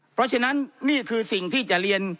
เพราะฉะนั้นนี่คือสิ่งที่จะเรียน